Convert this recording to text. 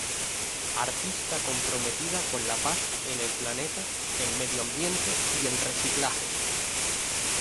Artista comprometida con la Paz en el Planeta, el medio ambiente y el reciclaje.